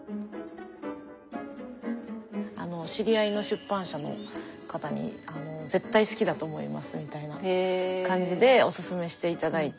知り合いの出版社の方に絶対好きだと思いますみたいな感じでおすすめして頂いて。